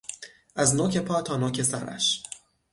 از نوک پا تا نوک سرش